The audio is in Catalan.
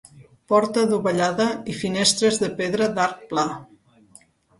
Porta dovellada i finestres de pedra d'arc pla.